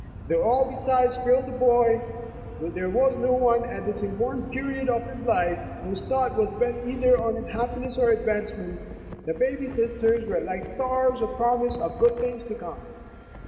Though all beside failed the boy, though there was no one at this important period of his life whose thought was bent either on his happiness or advance ment, the baby sisters were like stars of promise of good things to come.